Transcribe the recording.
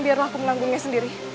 biarlah aku melanggungnya sendiri